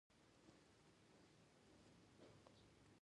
او دغسې دَانساني سوچ تر مېنځه يوه